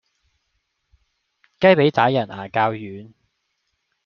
雞脾打人牙較軟